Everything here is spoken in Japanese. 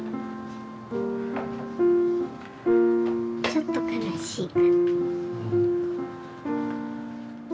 ちょっと悲しい。